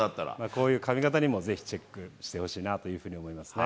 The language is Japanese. こういう髪型にもぜひチェックしてほしいなと思いますね。